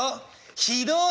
「ひどい！